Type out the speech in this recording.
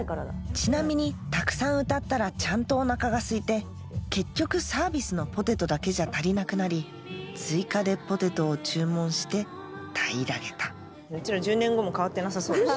ちなみにたくさん歌ったらちゃんとお腹がすいて結局サービスのポテトだけじゃ足りなくなり追加でポテトを注文して平らげたうちら１０年後も変わってなさそうだし。